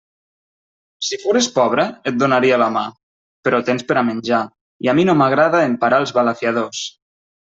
Si fores pobra, et donaria la mà; però tens per a menjar, i a mi no m'agrada emparar els balafiadors.